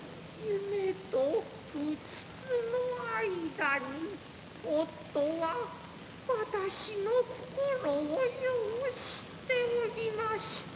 夢とうつつの間に夫は私の心をよう知っておりました。